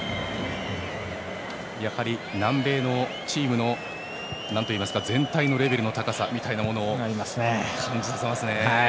やはり南米のチームの全体のレベルの高さみたいなものを感じさせますね。